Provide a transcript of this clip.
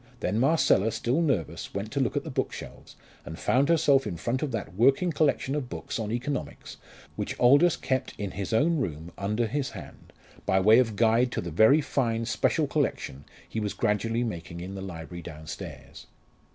Then Marcella, still nervous, went to look at the bookshelves, and found herself in front of that working collection of books on economics which Aldous kept in his own room under his hand, by way of guide to the very fine special collection he was gradually making in the library downstairs.